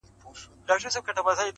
پر امیر باندي هغه ګړی قیامت سو-